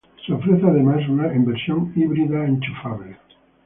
Se ofrece además en versión híbrida enchufable.